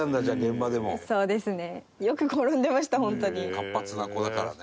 活発な子だからね。